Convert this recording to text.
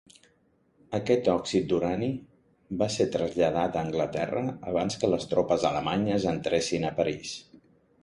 Aquest òxid d'urani va ser traslladat a Anglaterra abans que les tropes alemanyes entressin a París.